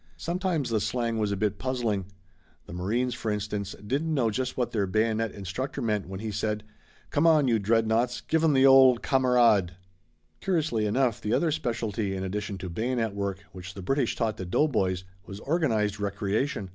Sometimes the slang was a bit puzzling. The marines, for instance, didn't know just what their bayonet instructor meant when he said: "Come on, you dreadnoughts, give 'em the old 'kamerad.'" Curiously enough the other specialty in addition to bayonet work which the British taught the doughboys was organized recreation.